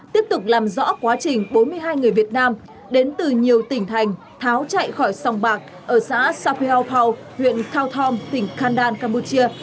tiếp tục làm rõ quá trình bốn mươi hai người việt nam đến từ nhiều tỉnh thành tháo chạy khỏi sòng bạc ở xã sapel pau huyện khao thom tỉnh khandan campuchia